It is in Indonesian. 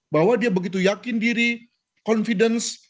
bahwa dia begitu yakin diri confidence